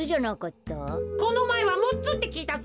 このまえはむっつってきいたぞ。